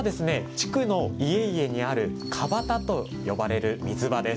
地区の家々にあるかばたと呼ばれる水場です。